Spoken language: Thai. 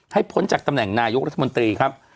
ให้พ้นจากตำแหน่งนายุทธมตรีครับ